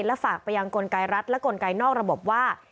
และฝากไปยังกลไกรัฐและกลไกนอกระบบว่า